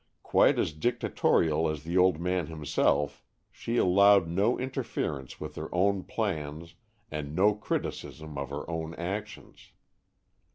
Quite as dictatorial as the old man himself she allowed no interference with her own plans and no criticism of her own actions.